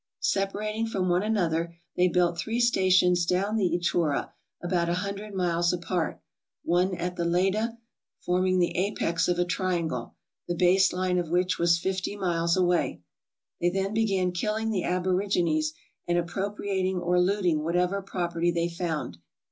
Sepa rating from one another, they built three stations down the Etura, about a hundred miles apart, one at the Leda, form ing the apex of a triangle, the base line of which was fifty miles away. They then began killing the aborigines, and appropriating or looting whatever property they found.